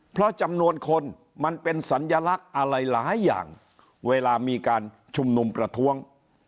เพราะจำนวนคนมันเป็นสัญลักษณ์อะไรหลายอย่างเวลามีการชุมนุมประท้วง